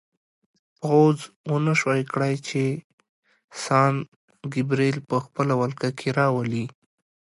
پوځ ونه شوای کړای چې سان ګبریل په خپله ولکه کې راولي.